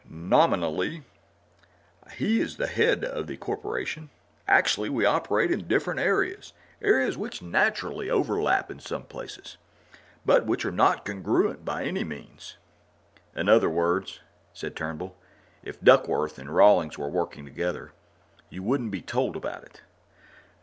Nominally, he is the head of the Corporation; actually, we operate in different areas areas which, naturally, overlap in places, but which are not congruent by any means." "In other words," said Turnbull, "if Duckworth and Rawlings were working together, you wouldn't be told about it."